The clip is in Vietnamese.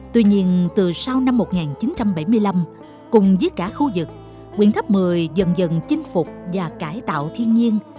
tuy nhiên từ sau năm một nghìn chín trăm bảy mươi năm cùng với cả khu vực quyền tháp một mươi dần dần chinh phục và cải tạo thiên nhiên